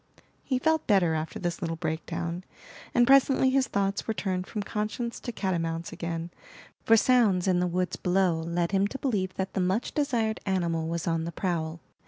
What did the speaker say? He felt better after this little breakdown, and presently his thoughts were turned from conscience to catamounts again; for sounds in the woods below led him to believe that the much desired animal was on the prowl.